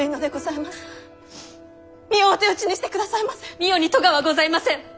美代に咎はございません！